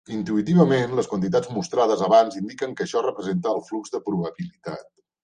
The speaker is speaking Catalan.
Intuïtivament, les quantitats mostrades abans indiquen que això representa el flux de probabilitat.